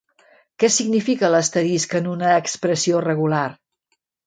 Què significa l'asterisc en una expressió regular?